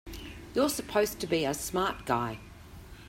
You're supposed to be a smart guy!